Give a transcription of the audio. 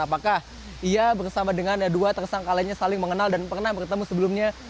apakah ia bersama dengan dua tersangka lainnya saling mengenal dan pernah bertemu sebelumnya